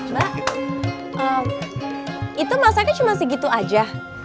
mbak itu masaknya cuma segitu aja